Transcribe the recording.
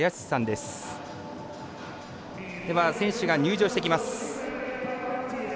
では、選手が入場してきます。